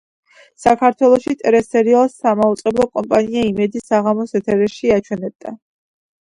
საქართველოში ტელესერიალს სამაუწყებლო კომპანია იმედი საღამოს ეთერში აჩვენებდა.